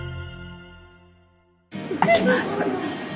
開けます。